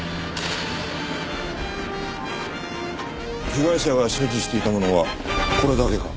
被害者が所持していたものはこれだけか？